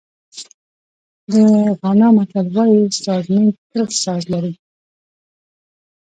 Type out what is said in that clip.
د غانا متل وایي سازمېن تل ساز لري.